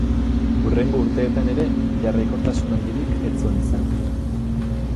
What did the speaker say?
Hurrengo urteetan ere jarraikortasun handirik ez zuen izan.